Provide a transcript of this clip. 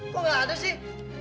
kok gak ada sih